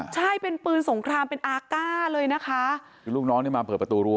ใช่เป็นปืนสงครามเป็นอาก้าเลยนะคะคือลูกน้องนี่มาเปิดประตูรั้